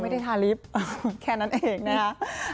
ไม่ได้ทาริปแค่นั้นเองนะครับ